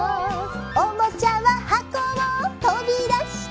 「おもちゃははこをとびだして」